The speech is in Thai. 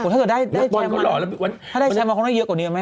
ถ้าเกิดได้แชมมันเขาเหลือเยอะกว่าเดียวแม่